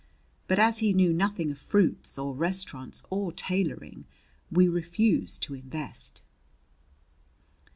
But, as he knew nothing of fruits or restaurants or tailoring, we refused to invest.